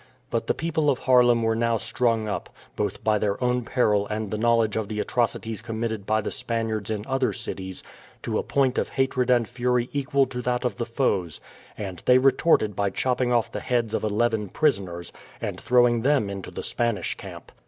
But the people of Haarlem were now strung up, both by their own peril and the knowledge of the atrocities committed by the Spaniards in other cities, to a point of hatred and fury equal to that of the foes, and they retorted by chopping off the heads of eleven prisoners and throwing them into the Spanish camp.